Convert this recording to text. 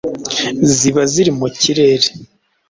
ziba ziri mu kirere